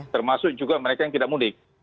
termasuk juga mereka yang tidak mudik